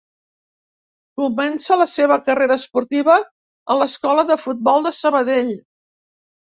Comença la seva carrera esportiva a l'Escola de Futbol de Sabadell.